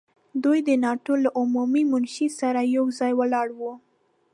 دوی د ناټو له عمومي منشي سره یو ځای ولاړ وو.